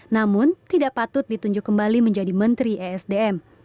namun tidak patut ditunjuk kembali menjadi menteri esdm